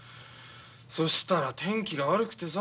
そしたら天気が悪くてさ。